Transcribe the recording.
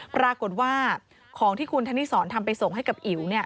ปรากฏว่าของที่คุณธนิสรทำไปส่งให้กับอิ๋ว